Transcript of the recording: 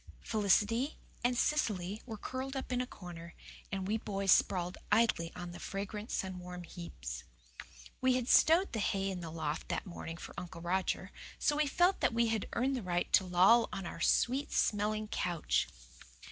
Felicity and Cecily were curled up in a corner, and we boys sprawled idly on the fragrant, sun warm heaps. We had "stowed" the hay in the loft that morning for Uncle Roger, so we felt that we had earned the right to loll on our sweet smelling couch.